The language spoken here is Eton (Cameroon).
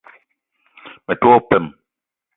Me te wo peum.